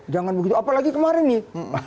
jangan begitu apalagi kemarin nih